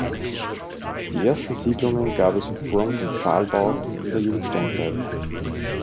Die ersten Siedlungen gab es in Form von Pfahlbauten in der Jungsteinzeit.